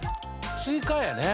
スイカやね。